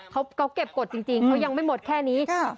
เขาเก็บกฎจริงเขายังไม่หมดแค่นี้